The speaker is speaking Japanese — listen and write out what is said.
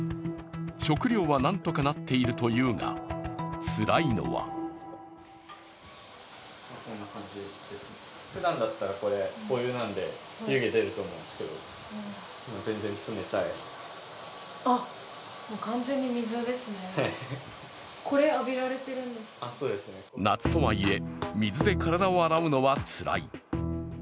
食料は何とかなっているというがつらいのは夏とはいえ水で体を洗うのはつらい。